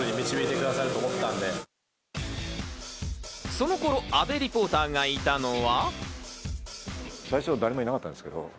その頃、阿部リポーターがいたのは。